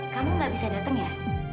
kamu gak bisa datang ya